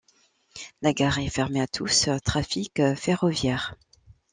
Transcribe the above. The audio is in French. La gare est fermée à tous trafic ferroviaire.